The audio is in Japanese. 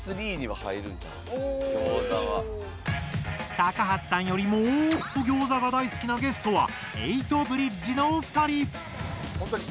高橋さんよりもっとギョーザが大好きなゲストはエイトブリッジのお二人！